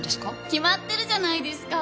決まってるじゃないですか。